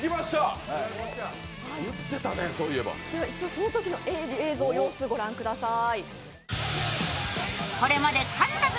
そのときの映像、様子ご覧ください。